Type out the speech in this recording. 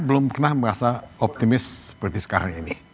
belum pernah merasa optimis seperti sekarang ini